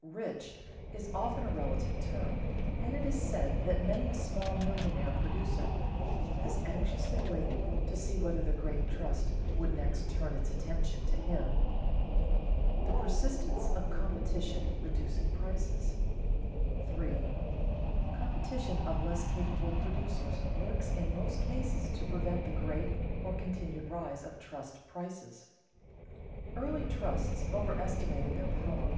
"Rich" is often a relative term, and it is said that many a small millionaire producer has anxiously waited to see whether the great trust would next turn its attention to him. [Sidenote: The persistence of competition reducing prices] 3. Competition of less capable producers works in most cases to prevent the great or continued rise of trust prices. Early trusts overestimated their power.